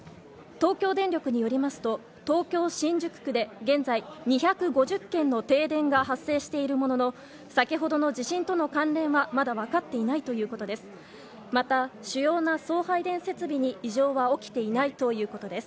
東京電力によりますと東京・新宿区で現在、２５０軒の停電が発生しているものの先ほどの地震との関連はまだ分かっていないということです。